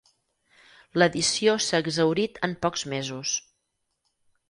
L'edició s'ha exhaurit en pocs mesos.